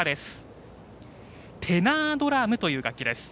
テナードラムという楽器です。